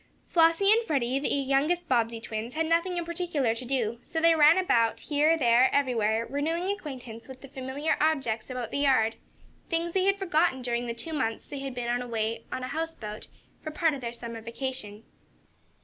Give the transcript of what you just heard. Flossie and Freddie, as the youngest Bobbsey twins, had nothing in particular to do, so they ran about, here, there, everywhere, renewing acquaintance with the familiar objects about the yard things they had forgotten during the two months they had been away on a houseboat, for part of their summer vacation.